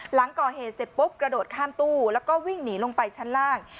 หลังก่อเหตุเสร็จปุ๊บกระโดดข้ามตู้แล้วก็วิ่งหนีลงไปชั้นล่าง